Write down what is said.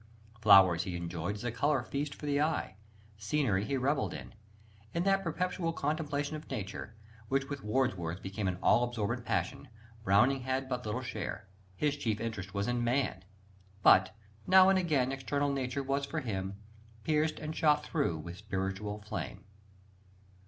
Flowers he enjoyed as a colour feast for the eye; scenery he revelled in. In that perpetual contemplation of Nature, which with Wordsworth became an all absorbent passion, Browning had but little share: his chief interest was in man. But "now and again external nature was for him ... pierced and shot through with spiritual fire."